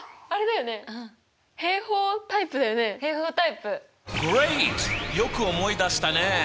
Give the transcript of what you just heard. よく思い出したね！